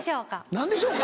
「何でしょうか？」。